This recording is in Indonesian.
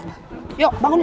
buktinya akur akur aja